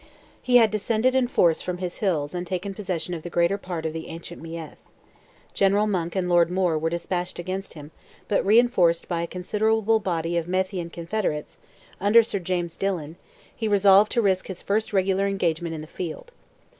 He had descended in force from his hills and taken possession of the greater part of the ancient Meath. General Monk and Lord Moore were despatched against him, but reinforced by a considerable body of Meathian Confederates, under Sir James Dillon, he resolved to risk his first regular engagement in the field.